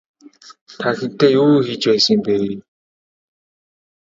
Та хэнтэй юу хийж байсан бэ?